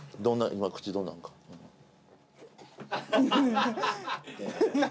今口どんなんか何？